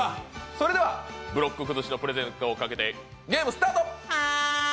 それではブロック崩しのプレゼントをかけてゲームスタート。